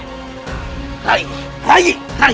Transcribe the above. rai rai rai